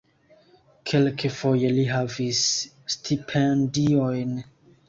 Kelkfoje li havis stipendiojn.